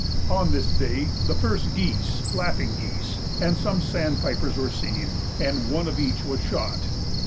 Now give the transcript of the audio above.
On this day the first geese (laughing geese) and some sandpipers were seen, and one of each was shot.